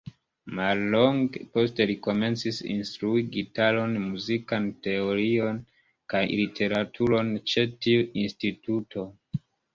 Mallonge poste li komencis instrui gitaron, muzikan teorion kaj literaturon ĉe tiu instituto.